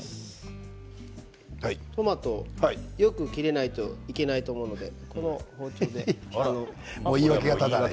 トマトはよく切れないといけないと思うのでこちらの包丁で。